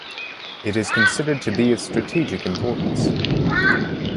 It is considered to be of strategic importance.